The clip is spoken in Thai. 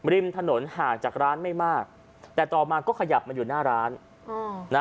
ริมถนนห่างจากร้านไม่มากแต่ต่อมาก็ขยับมาอยู่หน้าร้านนะ